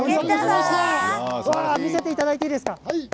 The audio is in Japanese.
見せていただいていいですか？